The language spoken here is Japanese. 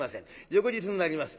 翌日になります。